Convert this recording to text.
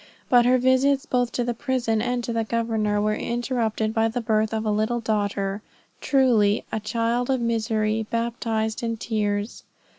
But her visits both to the prison and to the governor were interrupted by the birth of a little daughter truly 'A child of misery, baptized in tears!'